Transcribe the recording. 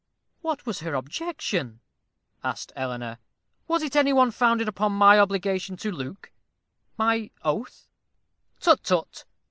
"What was her objection?" asked Eleanor; "was it any one founded upon my obligation to Luke my oath?" "Tut, tut!